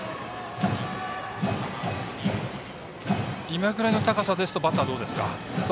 今ぐらいの高さですとバッターは、どうですか？